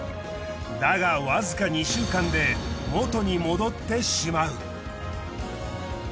だがわずか２週間で元に戻ってしまう。